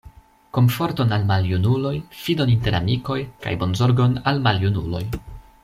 Komforton al maljunuloj, fidon inter amikoj, kaj bonzorgon al maljunuloj.